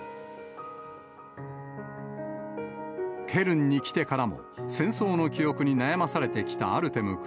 ケルンに来てからも戦争の記憶に悩まされてきたアルテム君。